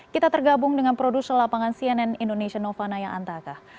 kita tergabung dengan produser lapangan cnn indonesia novanaya antaka